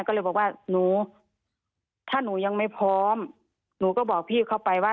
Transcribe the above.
ก็เลยบอกว่าหนูถ้าหนูยังไม่พร้อมหนูก็บอกพี่เขาไปว่า